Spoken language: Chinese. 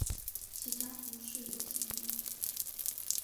其家族世有贤名。